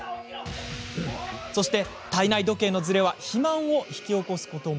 そして、体内時計のずれは肥満を引き起こすことも。